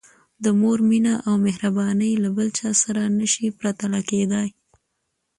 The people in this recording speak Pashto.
د مور مینه او مهرباني له بل چا سره نه شي پرتله کېدای.